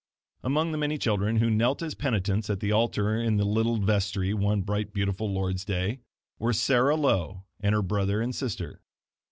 Among the many children who knelt as penitents at the altar in the little vestry, one bright beautiful Lord's Day, were Sarah Lowe and her brother and sister.